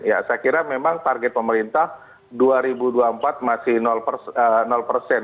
ya saya kira memang target pemerintah dua ribu dua puluh empat masih persen